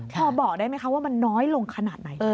พอบอกได้ไหมคะว่ามันน้อยลงขนาดไหน